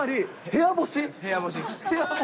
部屋干しっす。